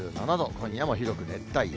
今夜も広く熱帯夜。